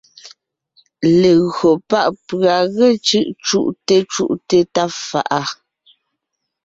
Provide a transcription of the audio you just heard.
Legÿo pá’ pʉ̀a ge cʉ́’ cú’te cú’te tá fa’a,